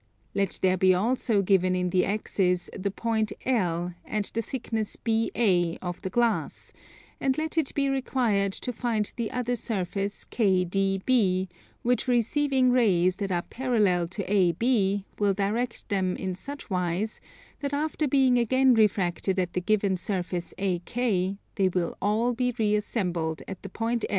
Let there be also given in the axis the point L and the thickness BA of the glass; and let it be required to find the other surface KDB, which receiving rays that are parallel to AB will direct them in such wise that after being again refracted at the given surface AK they will all be reassembled at the point L.